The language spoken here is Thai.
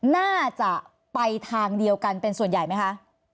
น่าจะไปทางเดียวกันเป็นส่วนใหญ่ไหมคะ